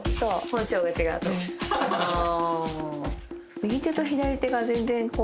右手と左手が全然こう。